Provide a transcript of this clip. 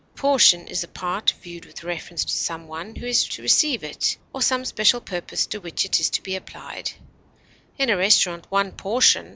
A portion is a part viewed with reference to some one who is to receive it or some special purpose to which it is to be applied; in a restaurant one portion (_i.